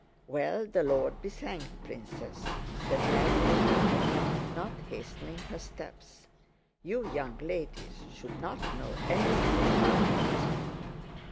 "Well, the Lord be thanked, Princess," said Mary Bogdánovna, not hastening her steps. "You young ladies should not know anything about it."